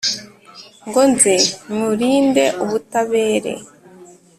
Ngo nze nywurinde ubutabere,